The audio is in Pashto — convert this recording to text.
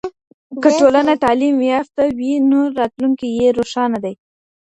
که ټولنه تعلیم یافته وي نو راتلونکی یې روښانه دی.